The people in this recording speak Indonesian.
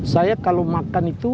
saya kalau makan itu